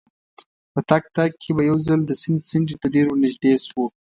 په تګ تګ کې به یو ځل د سیند څنډې ته ډېر ورنژدې شوو.